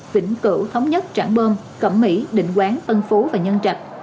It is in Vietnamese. tỉnh cửu thống nhất trạng bơm cẩm mỹ định quán ân phú và nhân trạch